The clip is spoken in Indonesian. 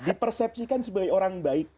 di persepsikan sebagai orang baik